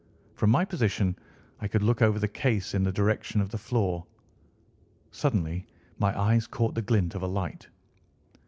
From my position I could look over the case in the direction of the floor. Suddenly my eyes caught the glint of a light.